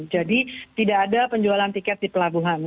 jadi tidak ada penjualan tiket di pelabuhan